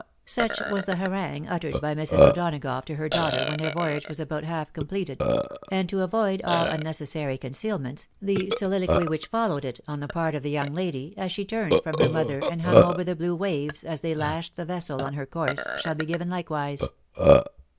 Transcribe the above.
Such was the harangue uttered by Mrs. O'Donagough to her daughter when their voyage was about half completed ; and to avoid aU unnecessary concealments, the soUloquy which followed it on the part of the young lady, as she turned from her mother A BOY OVEKBOAKD. 59 and hung over the blue waves as they lashed the vessel on her course, shall be given likewise.